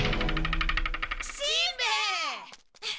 しんべヱ！